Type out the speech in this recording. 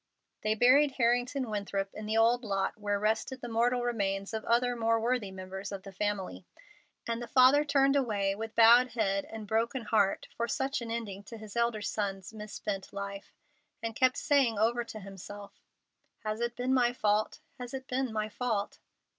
They buried Harrington Winthrop in the old lot where rested the mortal remains of other more worthy members of the family; and the father turned away with bowed head and broken heart for such an ending to his elder son's misspent life, and kept saying over to himself, "Has it been my fault? Has it been my fault?"